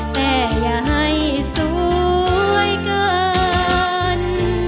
แต่อย่าให้สวยเกิน